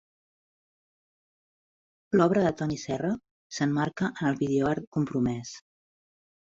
L'obra de Toni Serra s'emmarca en el videoart compromès.